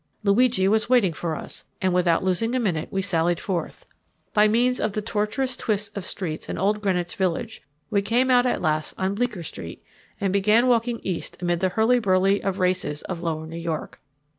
Luigi was waiting for us, and without losing a minute we sallied forth. By means of the tortuous twists of streets in old Greenwich village we came out at last on Bleecker Street and began walking east amid the hurly burly of races of lower New York.